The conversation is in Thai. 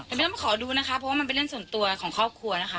แต่ไม่ต้องขอดูนะคะเพราะว่ามันเป็นเรื่องส่วนตัวของครอบครัวนะคะ